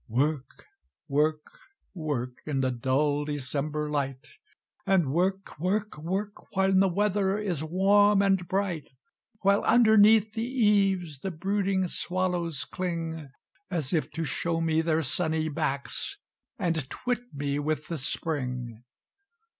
"Work work work, In the dull December light, And work work work, When the weather is warm and bright While underneath the eaves The brooding swallows cling As if to show me their sunny backs And twit me with the spring.